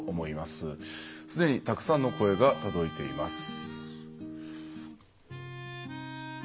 すでにたくさんの声が届いています。